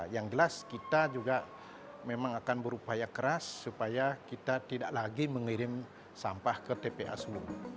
yang jelas kita juga memang akan berupaya keras supaya kita tidak lagi mengirim sampah ke tpa sulung